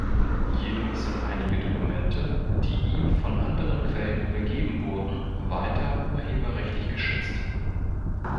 Jedoch sind einige Dokumente, die ihm von anderen Quellen übergeben wurden, weiter urheberrechtlich geschützt.